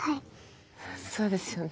そうですよね。